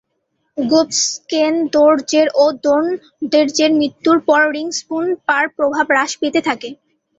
গ্ত্সো-স্ক্যেস-র্দো-র্জে ও দোন-য়োদ-র্দো-র্জের মৃত্যুর পর রিং-স্পুংস-পার প্রভাব হ্রাস পেতে থাকে।